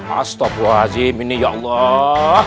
astagfirullahaladzim ini ya allah